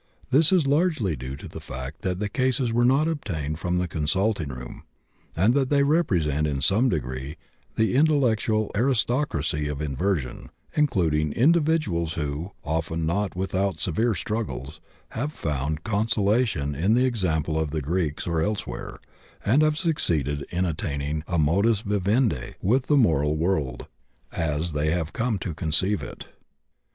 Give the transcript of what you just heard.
This is largely due to the fact that the cases were not obtained from the consulting room, and that they represent in some degree the intellectual aristocracy of inversion, including individuals who, often not without severe struggles, have found consolation in the example of the Greeks, or elsewhere, and have succeeded in attaining a modus vivendi with the moral world, as they have come to conceive it.